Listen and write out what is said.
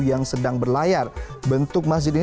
yang sedang berlayar bentuk masjid ini